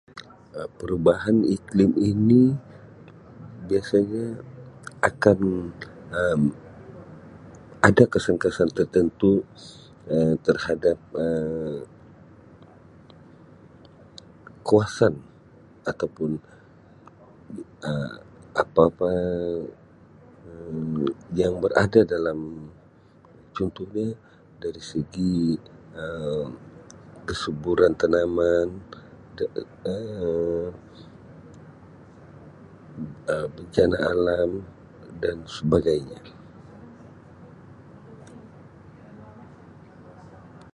Um Perubahan iklim ini biasanya akan Um ada kesan-kesan tertentu Um terhadap Um kawasan atau pun Um apa-apa Um yang berada dalam contohnya dari segi Um kesuburan tanaman Um bencana alam dan sebagainya.